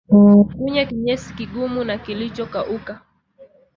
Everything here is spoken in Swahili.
Kunya kinyesi kigumu na kilichokauka